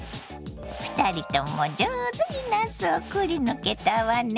２人とも上手になすをくりぬけたわね。